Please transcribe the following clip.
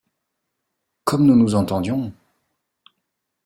Comme nous nous entendions!